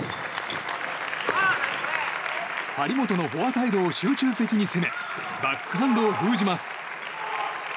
張本のフォアサイドを集中的に攻めバックハンドを封じます。